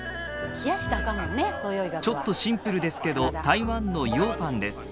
ちょっとシンプルですけど台湾の油飯です。